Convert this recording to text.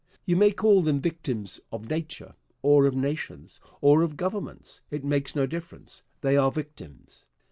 You may call them victims of nature, or of nations, or of governments; it makes no difference, they are victims.